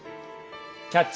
「キャッチ！